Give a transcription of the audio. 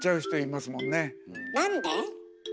なんで？